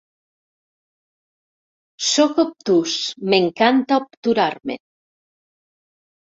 Soc obtús, m'encanta obturar-me.